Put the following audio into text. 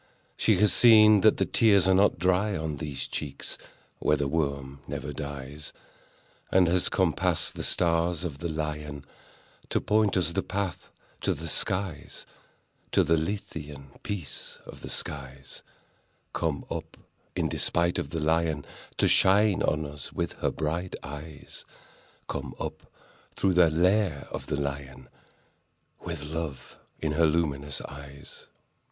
She has seen that the tears are not dry on These cheeks, where the worm never dies, And has come past the stars of the Lion, To point us the path to the skies— To the Lethean peace of the skies— Come up, in despite of the Lion, To shine on us with her bright eyes— Come up, through the lair of the Lion, With love in her luminous eyes."